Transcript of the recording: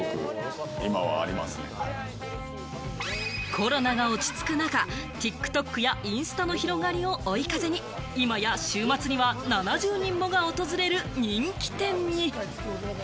コロナが落ち着く中、ＴｉｋＴｏｋやインスタの広がりを追い風に、今や週末には７０人もが訪れる人気店に。